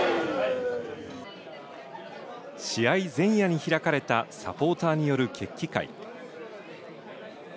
試合前夜に開かれたサポーターによる決起会。